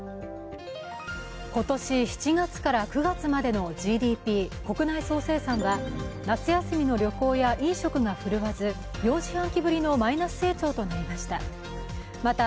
今年７月から９月までのＧＤＰ＝国内総生産は夏休みの旅行や飲食が振るわず４四半期ぶりのマイナス成長となりました。